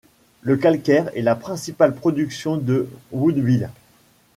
Le calcaire est la principale production de Woodville.